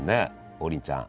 王林ちゃん。